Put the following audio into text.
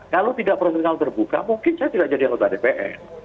kalau tidak profesional terbuka mungkin saya tidak jadi anggota dpr